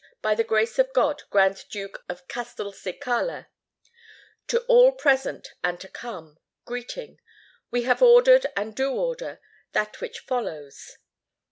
BY THE GRACE OF GOD, GRAND DUKE OF CASTELCICALA, "To all present and to come, Greeting: "We have ordered and do order that which follows:— "I.